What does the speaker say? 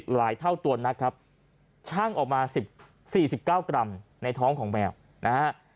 หลายเท่าตัวนักครับชั่งออกมา๑๔๙กรัมในท้องของแมวนะฮะ